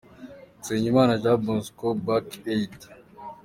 Nsengimana Jean Bosco – Bike Aid “”